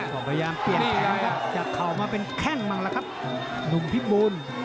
ก็พยายามเปลี่ยนเกมครับจากเข่ามาเป็นแข้งบ้างล่ะครับหนุ่มพิบูล